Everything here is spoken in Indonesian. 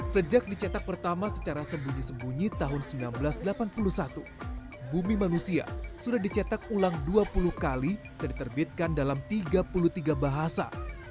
sejak dicetak pertama secara sembunyi sembunyi tahun seribu sembilan ratus delapan puluh satu bumi manusia sudah dicetak ulang dua puluh kali dan diterbitkan dalam tiga puluh tiga bahasa